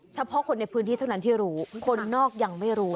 เฉพาะคนในพื้นที่เท่านั้นที่รู้คนนอกยังไม่รู้